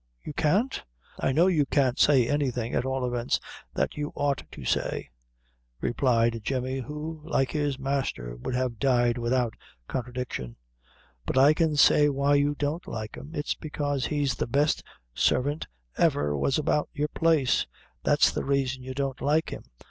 you can't? I know you can't say anything, at all events, that you ought to say," replied Jemmy, who, like, his master, would have died without contradiction; "but I can say why you don't like him; it's bekaise he's the best sarvint ever was about your place; that's the raison you don't like him.